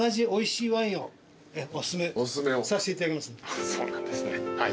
あっそうなんですねはい。